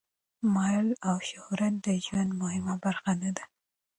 مال او شهرت د ژوند مهمه برخه نه دي.